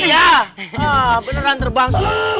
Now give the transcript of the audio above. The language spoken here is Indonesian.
iya beneran terbang